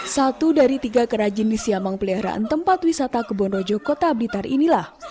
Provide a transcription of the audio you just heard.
satu dari tiga kerajin di siamang peliharaan tempat wisata kebon rojo kota blitar inilah